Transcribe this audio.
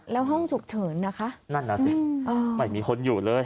แล้วห้องฉุกเฉินนะคะนั่นน่ะสิไม่มีคนอยู่เลย